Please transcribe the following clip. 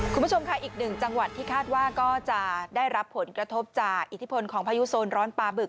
คุณผู้ชมค่ะอีกหนึ่งจังหวัดที่คาดว่าก็จะได้รับผลกระทบจากอิทธิพลของพายุโซนร้อนปลาบึก